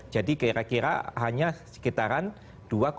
jadi kira kira hanya sekitaran rp dua